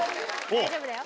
大丈夫だよ。